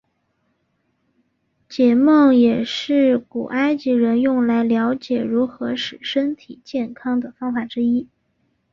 解梦也是古埃及人用来瞭解如何使身体健康的方法之一。